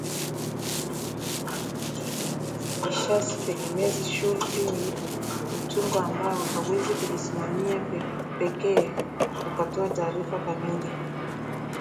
Vishasi tegemezi shuruti ni utungo ambao hauwezi kujisimamia pekee ukatoa taarifa kamili